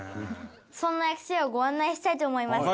そんな薬師湯をご案内したいと思います今日は。